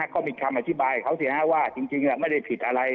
ก็มีคำอธิบายของเขาสิฮะว่าจริงไม่ได้ผิดอะไร